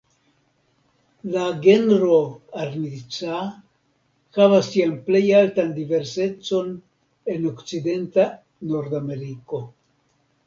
La genro "Arnica"havas sian plej altan diversecon en okcidenta Nordameriko.